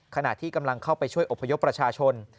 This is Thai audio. ขณะที่กำลังเข้าไปช่วยอบพยพประชาชน